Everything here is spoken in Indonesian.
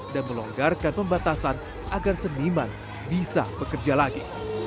dan melonggarkan pembatasan agar seniman bisa bekerja lagi